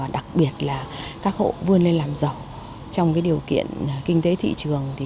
đặc biệt là các hộ vươn lên làm giàu trong điều kiện kinh tế thị trường